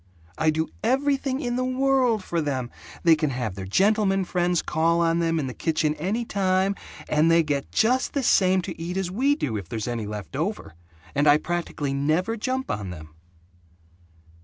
I do everything in the world for them. They can have their gentleman friends call on them in the kitchen any time, and they get just the same to eat as we do, if there's, any left over, and I practically never jump on them."